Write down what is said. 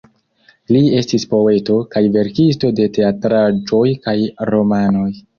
Li estis poeto, kaj verkisto de teatraĵoj kaj romanoj.